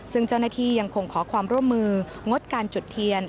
ซึ่งเจ้าหน้าที่ยังคงขอความร่วมมืองดการจุดเทียน